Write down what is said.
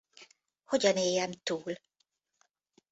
Hogyan éljem túl?